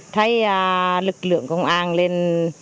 thấy lực lượng công an lên